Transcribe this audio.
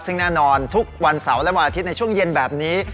ซึ่งแน่นอนทุกวันเสาร์และวันอาทิตย์ในช่วงเย็นแบบนี้